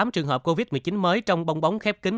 tám trường hợp covid một mươi chín mới trong bong bóng khép kính